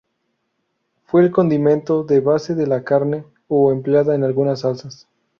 Fue el condimento de base de la carne, o empleada en algunas salsas.